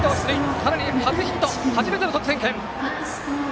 さらに初ヒット初めての得点圏。